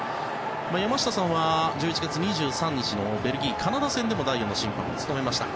山下さんは、１１月２３日のベルギー、カナダ戦でも第４の審判を務めました。